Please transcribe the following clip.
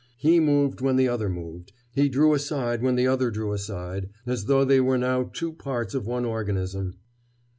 He moved when the other moved; he drew aside when the other drew aside, as though they were now two parts of one organism.